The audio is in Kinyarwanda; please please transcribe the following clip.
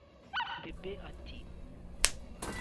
Bebe ati